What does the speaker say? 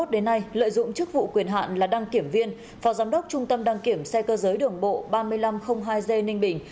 đến nay lợi dụng chức vụ quyền hạn là đăng kiểm viên phó giám đốc trung tâm đăng kiểm xe cơ giới đường bộ ba nghìn năm trăm linh hai g ninh bình